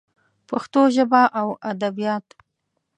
پښتو ژبه او ادبیات